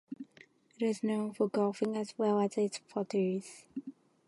It is known for golfing as well as its potteries.